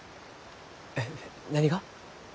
えっ何が？